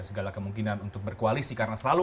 segala kemungkinan untuk berkoalisi karena selalu